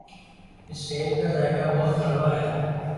اس سیب کا ذائقہ بہت کڑوا ہے۔